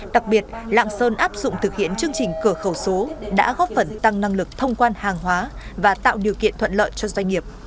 đặc biệt lạng sơn áp dụng thực hiện chương trình cửa khẩu số đã góp phần tăng năng lực thông quan hàng hóa và tạo điều kiện thuận lợi cho doanh nghiệp